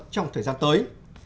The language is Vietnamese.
trong thời gian tới